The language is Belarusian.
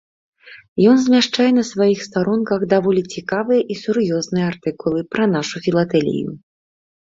Ён змяшчае на сваіх старонках даволі цікавыя і сур'ёзныя артыкулы пра нашу філатэлію.